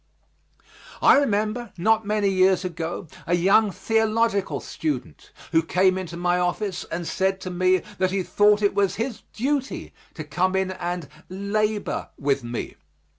I remember, not many years ago a young theological student who came into my office and said to me that he thought it was his duty to come in and "labor with me."